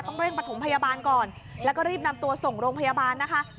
เร่งประถมพยาบาลก่อนแล้วก็รีบนำตัวส่งโรงพยาบาลนะคะ